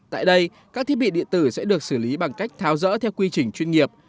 tại đây các thiết bị điện tử sẽ được xử lý bằng cách tháo rỡ theo quy trình chuyên nghiệp